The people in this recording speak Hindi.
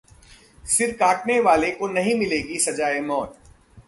सिर काटने वाले को नहीं मिलेगी सजा-ए-मौत